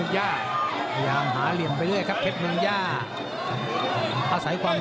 แช่งขวา